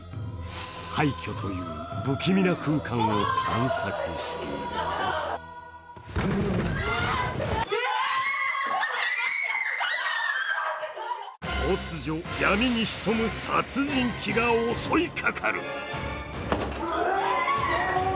廃虚という不気味な空間を探索していると突如、闇に潜む殺人鬼が襲いかかる。